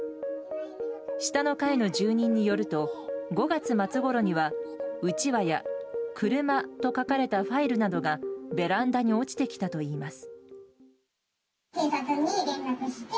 下の階の住人によると５月末ごろにはうちわや車と書かれたファイルなどがベランダに落ちてきたといいます。